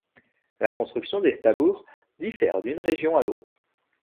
La construction des stabburs diffère d'une région à l'autre.